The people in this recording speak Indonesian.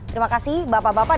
terima kasih bapak bapak